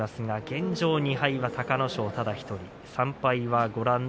現状２敗は隆の勝ただ１人です。